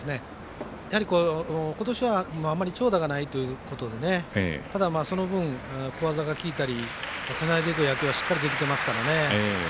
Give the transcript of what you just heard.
やはり、今年はあんまり長打がないということでただ、その分、小技が効いたりつないでいく野球はしっかりできていますからね。